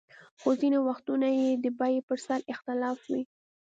خو ځینې وختونه یې د بیې پر سر اختلاف وي.